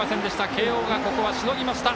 慶応がここはしのぎました。